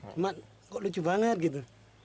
cuma kok lucu banget gitu